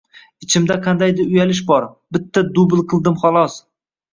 Ichimda qandaydir uyalish bor, bitta dubl qildim xolos.